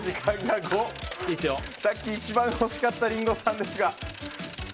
さっき一番惜しかったリンゴさんですが。